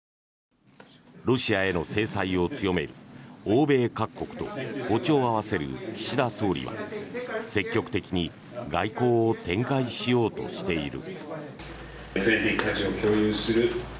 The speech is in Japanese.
ロシアへの制裁を強める欧米各国と歩調を合わせる岸田総理は積極的に外交を展開しようとしている。